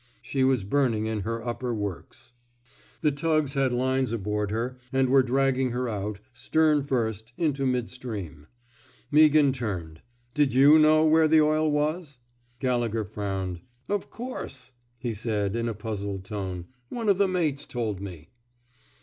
She was burning in her upper works. 61 THE SMOKE EATERS The tugs had lines aboard her, and were dragging her out, stem first, into mid stream. Meaghan turned. Did you know where the oil was I '' Gallegher frowned. Of course,'' he said, in a puzzled tone. One of the mates told me.''